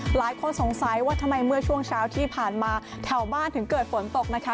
หลายคนสงสัยว่าทำไมเมื่อช่วงเช้าที่ผ่านมาแถวบ้านถึงเกิดฝนตกนะคะ